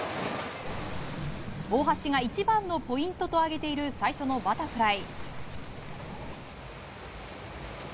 大橋が一番のポイントと挙げている最初のバタフライ。